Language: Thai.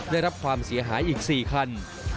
ได้รับความเสียหายอีก๔คัน